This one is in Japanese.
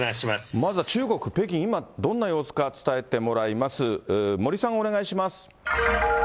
まずは中国・北京、今、どんな様子か伝えてもらいます。